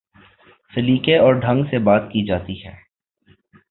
سلیقے اور ڈھنگ سے بات کی جاتی ہے۔